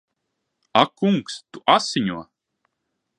Ak kungs! Tu asiņo!